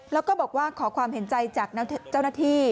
แล้วก็บอกว่าขอความเห็นใจจากเจ้าหน้าที่